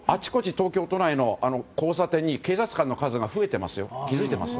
東京都内の交差点に警察官の数が増えているのは気づいていますか？